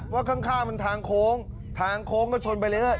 ว่าข้างมันทางโค้งทางโค้งก็ชนไปเรื่อย